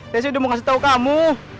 desi udah mau kasih tahu kamu